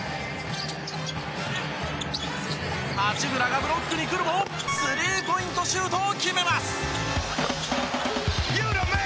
八村がブロックに来るもスリーポイントシュートを決めます。